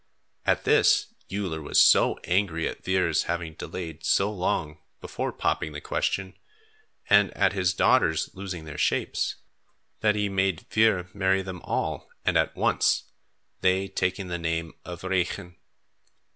At this, Uller was so angry at Vuur's having delayed so long before popping the question, and at his daughters' losing their shapes, that he made Vuur marry them all and at once, they taking the name of Regen.